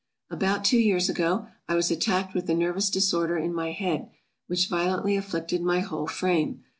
ABOUT two years ago, I was attacked with a nervous disorder in my head, which violently afflicted my whole frame.